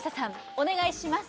お願いします